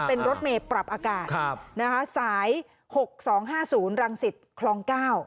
เป็นรถเมย์ปรับอากาศสาย๖๒๕๐รังสิตคลอง๙